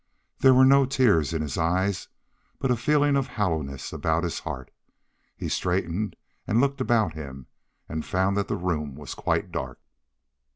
There were no tears in his eyes, but a feeling of hollowness about his heart. He straightened and looked about him and found that the room was quite dark.